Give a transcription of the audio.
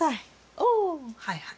おはいはい。